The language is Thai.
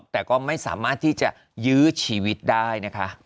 แต่ก็ไม่สามารถที่จะยื้อชีวิตได้นะคะ